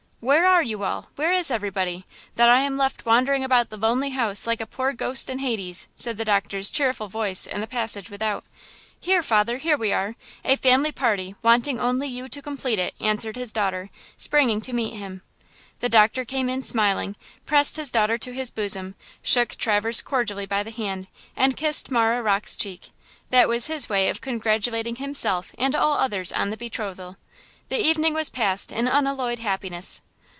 "Where are you all? Where is everybody–that I am left wandering about the lonely house like a poor ghost in Hades?" said the doctor's cheerful voice in the passage without. "Here, father–here we are–a family party, wanting only you to complete it," answered his daughter, springing to meet him. The doctor came in smiling, pressed his daughter to his bosom, shook Traverse cordially by the hand, and kissed Marah Rocke's cheek. That was his way of congratulating himself and all others on the betrothal. The evening was passed in unalloyed happiness.